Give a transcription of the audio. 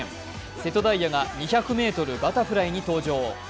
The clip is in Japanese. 瀬戸大也が２００ｍバタフライに登場。